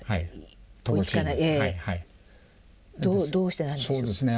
どうしてなんでしょう？